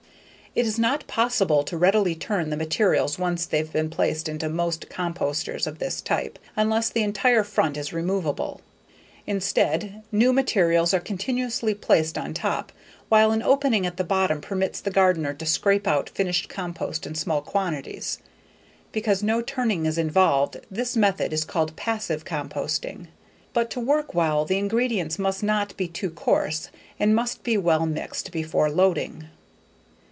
It is not possible to readily turn the materials once they've been placed into most composters of this type unless the entire front is removable. Instead, new materials are continuously placed on top while an opening at the bottom permits the gardener to scrape out finished compost in small quantities. Because no turning is involved, this method is called "passive" composting. But to work well, the ingredients must not be too coarse and must be well mixed before loading.